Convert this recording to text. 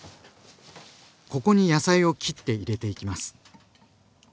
ここに野菜を切って入れていきます。